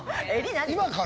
今から？